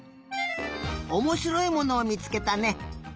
おもしろいものをみつけたね。